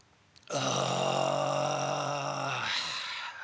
「ああ。